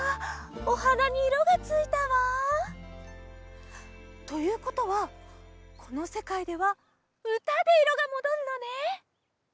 おはなにいろがついたわ。ということはこのせかいではうたでいろがもどるのね。